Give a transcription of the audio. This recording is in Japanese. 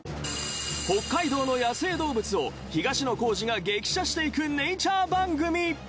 北海道の野生動物を東野幸治が激写していくネイチャー番組。